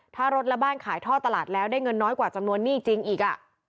ถ้ารถและบ้านขายท่อตลาดแล้วได้เงินน้อยกว่าจำนวนหนี้จริงอีก